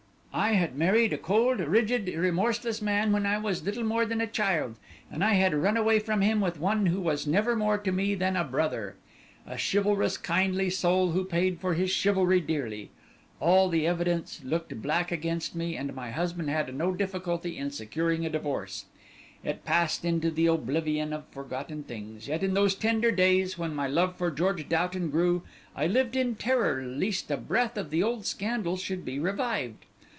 I had married a cold, rigid and remorseless man when I was little more than a child, and I had run away from him with one who was never more to me than a brother. A chivalrous, kindly soul who paid for his chivalry dearly. All the evidence looked black against me, and my husband had no difficulty in securing a divorce. It passed into the oblivion of forgotten things, yet in those tender days when my love for George Doughton grew I lived in terror least a breath of the old scandal should be revived.